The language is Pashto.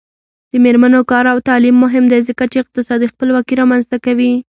د میرمنو کار او تعلیم مهم دی ځکه چې اقتصادي خپلواکي رامنځته کوي.